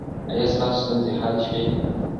ایا ستاسو ستونزې حل شوې؟